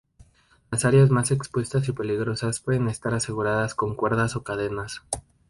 Las áreas más expuestas y peligrosas pueden estar aseguradas con cuerdas o cadenas.